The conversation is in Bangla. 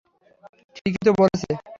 ঠিকই তো বলেছে।